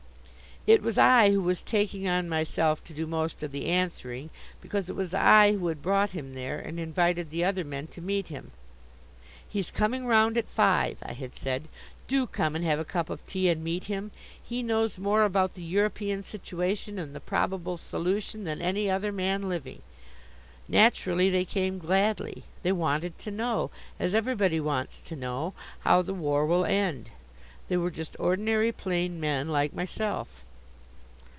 It was I who was taking on myself to do most of the answering, because it was I who had brought him there and invited the other men to meet him. "He's coming round at five," I had said, "do come and have a cup of tea and meet him. He knows more about the European situation and the probable solution than any other man living." Naturally they came gladly. They wanted to know as everybody wants to know how the war will end. They were just ordinary plain men like myself.